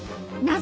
何？